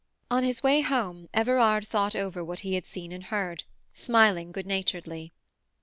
On his way home Everard thought over what he had seen and heard, smiling good naturedly.